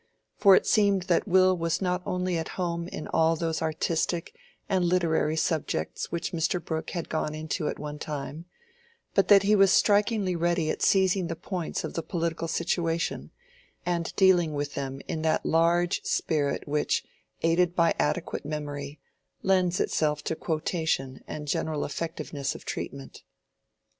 For it seemed that Will was not only at home in all those artistic and literary subjects which Mr. Brooke had gone into at one time, but that he was strikingly ready at seizing the points of the political situation, and dealing with them in that large spirit which, aided by adequate memory, lends itself to quotation and general effectiveness of treatment.